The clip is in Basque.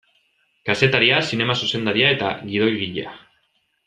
Kazetaria, zinema zuzendaria eta gidoigilea.